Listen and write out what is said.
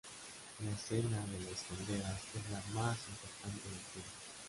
La escena de las calderas es la más importante del film.